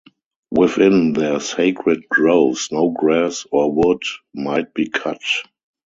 Within their sacred groves no grass or wood might be cut.